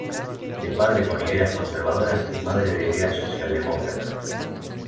De padre con ideas conservadoras y madre de ideales socialdemócratas.